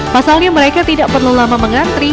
pasalnya mereka tidak perlu lama mengantri